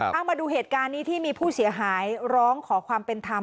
เอามาดูเหตุการณ์นี้ที่มีผู้เสียหายร้องขอความเป็นธรรม